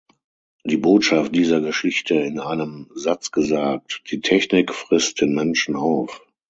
Die Botschaft dieser Geschichte, in einem Satz gesagt: die Technik frisst den Menschen auf.